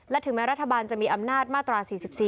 และถึงแม้รัฐบาลจะมีอำนาจมาตรา๔๔